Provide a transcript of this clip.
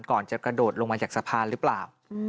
ก่อนจะกระโดดลงมาจากสะพานหรือเปล่า